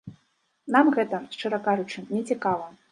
Нам гэта, шчыра кажучы, не цікава.